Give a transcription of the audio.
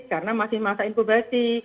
karena masih masa infubasi